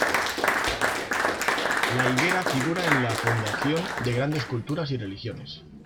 La higuera figura en la fundación de grandes culturas y religiones.